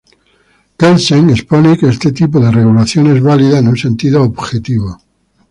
Kelsen expone que este tipo de regulación es válida en un sentido objetivo.